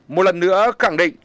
một lần nữa khẳng định